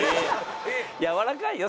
やわらかいよ？